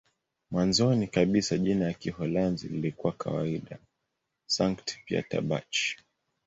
Mwanzoni kabisa jina la Kiholanzi lilikuwa kawaida "Sankt-Pieterburch".